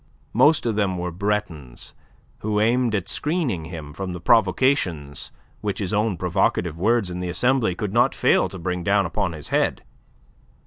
Most of them were Bretons, who aimed at screening him from the provocations which his own provocative words in the Assembly could not fail to bring down upon his head.